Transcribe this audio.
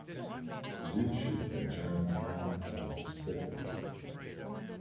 The Deanship can change hands unexpectedly.